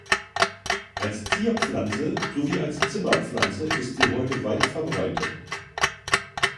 Als Zierpflanze sowie als Zimmerpflanze ist sie heute weit verbreitet.